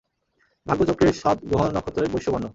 ভাগ্যচক্রের সব গ্রহনক্ষত্রই বৈশ্যবর্ণ।